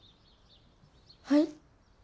はい？